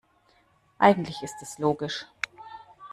Eigentlich ist es logisch.